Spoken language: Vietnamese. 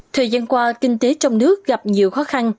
thời gian qua kinh tế trong nước gặp nhiều khó khăn